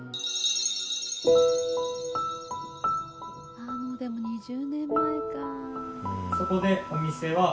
ああでも２０年前か。